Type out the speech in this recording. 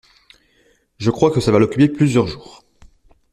Je crois que ça va l’occuper plusieurs jours.